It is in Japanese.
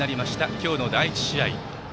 今日の第１試合。